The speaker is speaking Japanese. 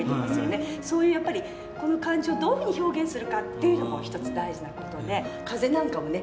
そういうやっぱりこの漢字をどういうふうに表現するかっていうのも一つ大事な事で「風」なんかもね